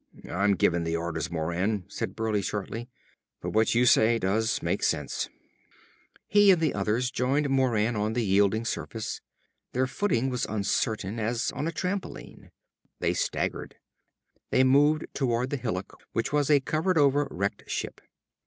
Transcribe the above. "I'm giving the orders, Moran!" said Burleigh shortly. "But what you say does make sense." He and the others joined Moran on the yielding surface. Their footing was uncertain, as on a trampoline. They staggered. They moved toward the hillock which was a covered over wrecked ship.